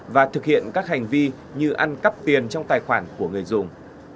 và thực hiện các hành vi như ăn cắp tiền trong tài khoản của người dùng